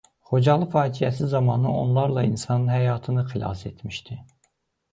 Xocalı faciəsi zamanı onlarla insanın həyatını xilas etmişdi.